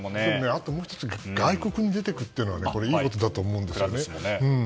あともう１つ外国に出て行くのはいいことだと思うんです。